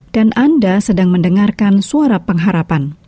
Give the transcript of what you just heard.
dan anda sedang mendengarkan suara pengharapan